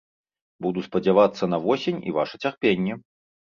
Буду спадзявацца на восень і ваша цярпенне.